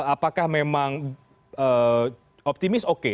apakah memang optimis oke